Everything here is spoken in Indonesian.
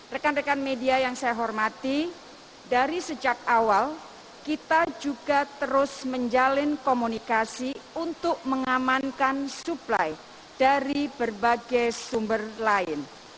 rekan rekan media yang saya hormati dari sejak awal kita juga terus menjalin komunikasi untuk mengamankan supply dari berbagai sumber lain